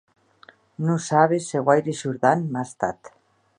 Non sabes se guaire shordant m'a estat.